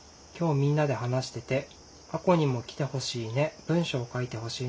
今日みんなで話してて『あこにも来てほしーね』『文章書いてほ